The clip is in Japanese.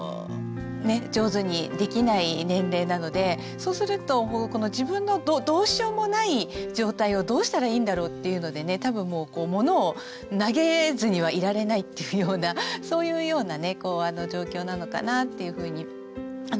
そうすると自分のどうしようもない状態をどうしたらいいんだろうっていうので多分モノを投げずにはいられないというようなそういうような状況なのかなというふうに思うんですよね。